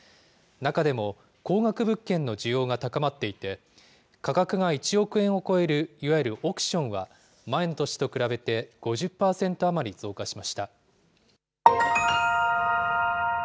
中でも、高額物件の需要が高まっていて、価格が１億円を超える、いわゆる億ションは、前の年と比べて５０％余り増加しました。